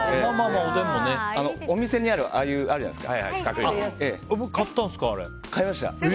お店にある、ああいうやつあるじゃないですか。